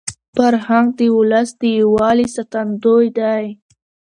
فرهنګ د ولس د یووالي ساتندوی دی.